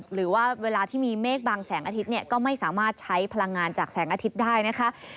หรือว่าเวลาที่มีเมฆบางแสงอาทิตย์เนี่ยก็ไม่สามารถใช้พลังงานจากแสงอาทิตย์ได้นะคะ